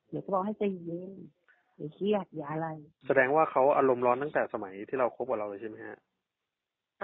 อยากจะบอกให้ใจเย็นอย่าเครียดอย่าอะไรแสดงว่าเขาอารมณ์ร้อนตั้งแต่สมัยที่เราคบกับเราเลยใช่ไหมฮะ